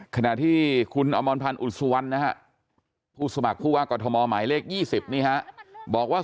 ขณะที่คุณอมรพันธ์อุศวรรณผู้สมัครผู้ว่ากฏมหมายเลข๒๐บอกว่า